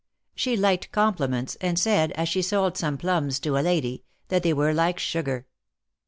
She liked compliments, and said, as she sold some plums to a lady, that they were like sugar.